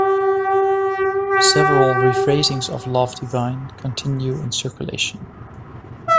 Several rephrasings of "Love Divine" continue in circulation.